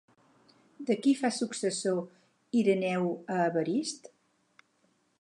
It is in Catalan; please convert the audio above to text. De qui fa successor Ireneu a Evarist?